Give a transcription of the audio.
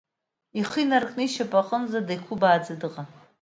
Ихы инаркны ишьапы аҟынӡа деиқәбааӡа дыҟан.